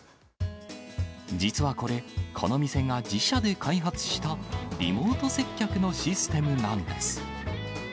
実はこれ、この店が自社で開発したリモート接客のシステムなんです。